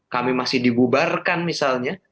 kami masih dibubarkan misalnya